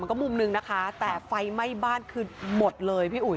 ก็มุมนึงนะคะแต่ไฟไหม้บ้านคือหมดเลยพี่อุ๋